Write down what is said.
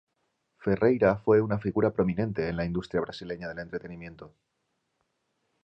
Ferreira fue una figura prominente en la industria brasileña del entretenimiento.